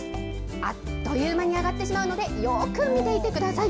あっという間に揚がってしまうので、よく見ていてください。